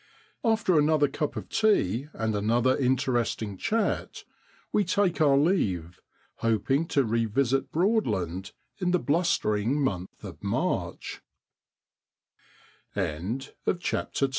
After another cup of tea and another interesting chat, we take our leave, hoping to revisit Broadland in the blustering month of